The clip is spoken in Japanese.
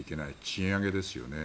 賃上げですよね。